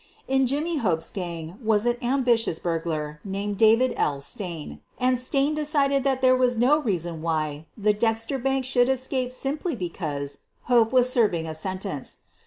In Jimmy Hope's gang was an ambitious burglar named David L. Stain, and Stain decided that there was no reason why the Dexter bank should escape simply because Hope was serving a sentence.